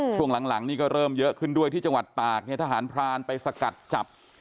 ช่วงหลังนี่ก็เริ่มเยอะขึ้นด้วยที่จังหวัดตากเนี่ยทหารพรานไปสกัดจับ